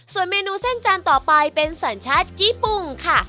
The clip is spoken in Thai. ส่วนเมนูเส้นจานต่อไปเป็นสัญชาติจี้ปุ้งค่ะ